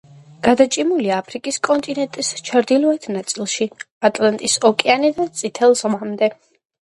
გადაჭიმულია აფრიკის კონტინენტის ჩრდილოეთ ნაწილში, ატლანტის ოკეანიდან წითელ ზღვამდე.